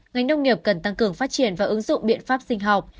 ngành nông nghiệp cần tăng cường phát triển và ứng dụng biện pháp sinh học